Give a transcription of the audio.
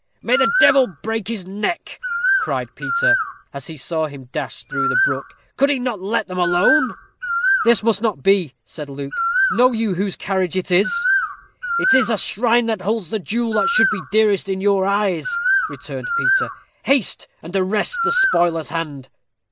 "May the devil break his neck!" cried Peter, as he saw him dash through the brook; "could he not let them alone?" "This must not be," said Luke; "know you whose carriage it is?" "It is a shrine that holds the jewel that should be dearest in your eyes," returned Peter; "haste, and arrest the spoiler's hand."